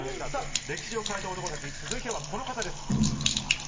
歴史を変えた男たち、続いてはこの方です。